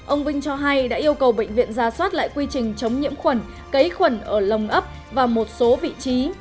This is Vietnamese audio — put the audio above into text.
ông vinh cho hay đã yêu cầu bệnh viện ra soát lại quy trình chống nhiễm khuẩn cấy khuẩn ở lồng ấp và một số vị trí